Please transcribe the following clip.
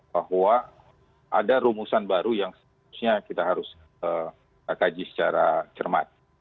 bahwa ada rumusan baru yang seharusnya kita harus kaji secara cermat